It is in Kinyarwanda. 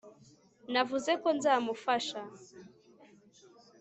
navuze ko nzamufasha